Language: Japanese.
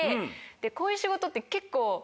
こういう仕事って結構。